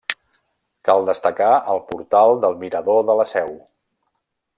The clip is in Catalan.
Cal destacar el portal del Mirador de la Seu.